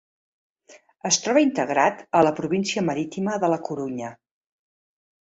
Es troba integrat a la província marítima de la Corunya.